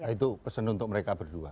itu pesan untuk mereka berdua